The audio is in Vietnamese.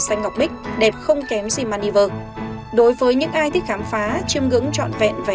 xanh ngọc bích đẹp không kém gì maldives đối với những ai thích khám phá chiêm ngưỡng trọn vẹn